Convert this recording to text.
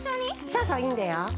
そうそういいんだよ。